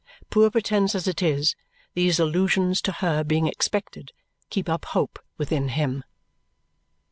Poor pretence as it is, these allusions to her being expected keep up hope within him.